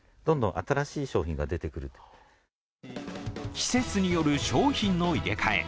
季節による商品の入れ替え。